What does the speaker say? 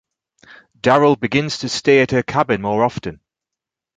Daryl begins to stay at her cabin more often.